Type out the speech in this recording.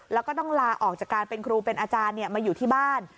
แล้วก็ต้องลาออกจากการเป็นครูเป็นอาจารย์มาอยู่ที่บ้าน